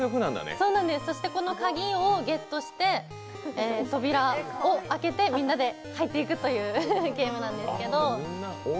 そしてこの鍵をゲットして扉を開けてみんなで入っていくというゲームなんですけど。